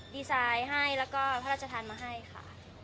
ดีไซน์ให้แล้วก็พระราชทานมาให้ค่ะ